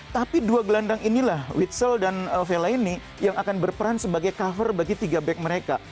tapi dua gelandang inilah witsel dan vela ini yang akan berperan sebagai cover bagi tiga back mereka